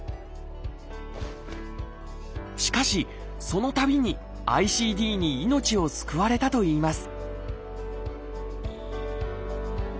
しかしそのたびにＩＣＤに命を救われたといいます